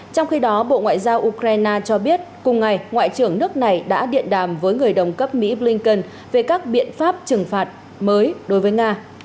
trong khi đó bộ ngoại giao ukraine cho biết cùng ngày ngoại trưởng nước này đã điện đàm với người đồng cấp mỹ blinken về các biện pháp trừng phạt mới đối với nga